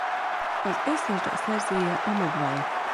Az összes dal szerzője a Mogwai.